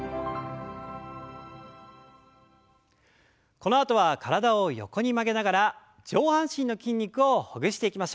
このあとは体を横に曲げながら上半身の筋肉をほぐしていきましょう。